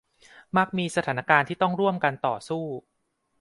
มักมีสถานการณ์ที่ต้องร่วมกันต่อสู้